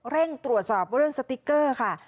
เร่งตรวจสอบเรื่องสติ๊กเกอร์ค่ะ